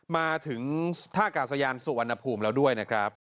มาถึงท่ากาศยานสุวรรณภูมิแล้วด้วยนะครับ